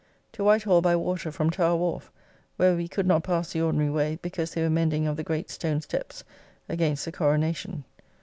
To Whitehall by water from Towre wharf, where we could not pass the ordinary way, because they were mending of the great stone steps against the Coronacion.